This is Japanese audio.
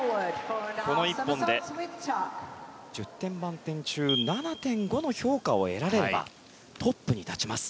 この１本で１０点満点中７．５の評価を得られればトップに立ちます。